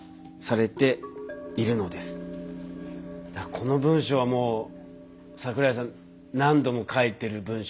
この文章はもう桜井さん何度も書いてる文章ですよね。